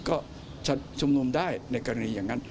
ก็จะชุมนุมได้ในกรณีอย่างนั้น